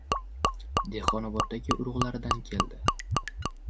— Dehqonoboddagi urug‘laridan keldi.